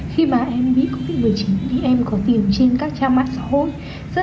khi mà em bị covid một mươi chín thì em có tìm trên các trang mạng xã hội